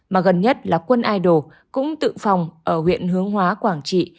mà gần nhất là quân idol cũng tự phòng ở huyện hướng hóa quảng trị